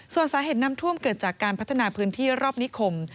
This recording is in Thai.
ส่วนสาเหตุน้ำท่วมเกิดจากการพัฒนาพื้นที่รอบนิคม